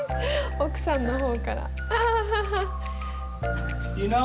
奥さんの方から。